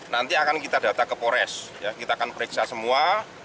nanti akan kita data ke polres kita akan periksa semua